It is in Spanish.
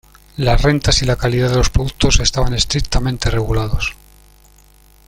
Las rentas y la calidad de los productos estaban estrictamente regulados.